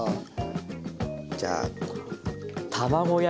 じゃあ。